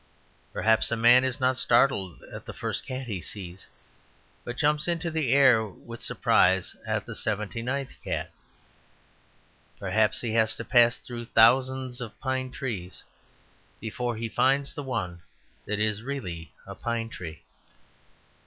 Perhaps a man is not startled at the first cat he sees, but jumps into the air with surprise at the seventy ninth cat. Perhaps he has to pass through thousands of pine trees before he finds the one that is really a pine tree.